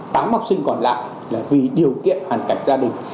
tám học sinh còn lại là vì điều kiện hoàn cảnh gia đình